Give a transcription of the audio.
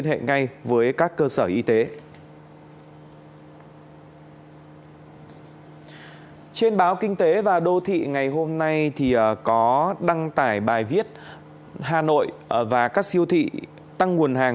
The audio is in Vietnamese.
trên báo kinh tế và đô thị ngày hôm nay có đăng tải bài viết hà nội và các siêu thị tăng nguồn hàng